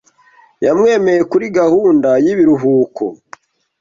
Yamwemeye kuri gahunda y'ibiruhuko.